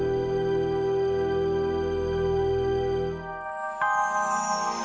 aku akan mengingatmu